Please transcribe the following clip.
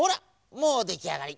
もうできあがり！